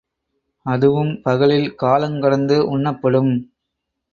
அதுவும் பகலில் காலங் கடந்து உண்ணப்படும்.